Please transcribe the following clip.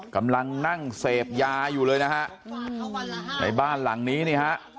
กำลังนั่งเสพยาอยู่เลยนะฮะในบ้านหลังนี้นี่ฮะ